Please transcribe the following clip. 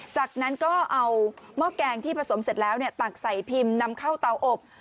จากนั้นก็เอาหม้อแกงที่ผสมเสร็จแล้วตักใส่พิมพ์นำเข้าเตาอบ